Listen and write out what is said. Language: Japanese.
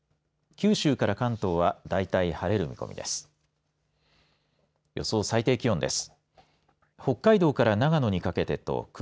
九州から関東は大体、晴れる見込みです。